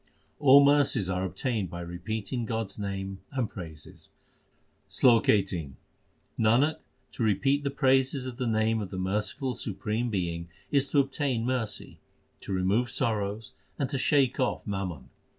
All mercies are obtained by repeating God s name and praises : SLOK XVIII Nanak, to repeat the praises of the name of the merciful supreme Being Is to obtain mercy, to remove sorrows, and to shake off mammon.